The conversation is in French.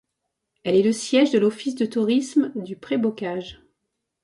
Elle est le siège de l'office de tourisme du Pré-Bocage.